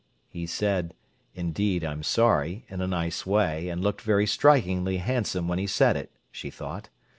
He said, "Indeed, I'm sorry," in a nice way, and looked very strikingly handsome when he said it, she thought.